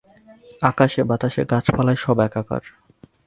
আকাশে বাতাসে গাছপালায় সব একাকার!